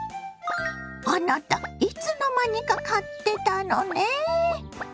あなたいつの間にか買ってたのね。